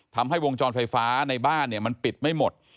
ทำให้วงจรไฟฟ้าในบ้านเนี่ยมันปิดไม่หมด